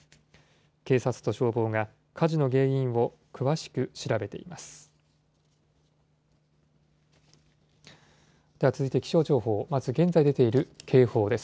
警察と消防が火事の原因を詳しく調べています。